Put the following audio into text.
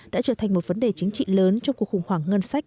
đã trở thành một vấn đề chính trị lớn trong cuộc khủng hoảng ngân sách